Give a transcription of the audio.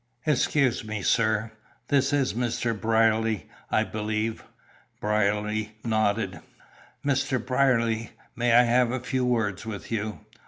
"Excuse me, sir; this is Mr. Brierly, I believe?" Brierly nodded. "Mr. Brierly, may I have a few words with you?